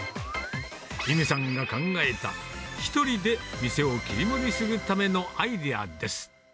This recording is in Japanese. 裕美さんが考えた１人で店を切り盛りするためのアイデアです。